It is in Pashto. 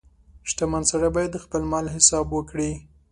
• شتمن سړی باید د خپل مال حساب وکړي.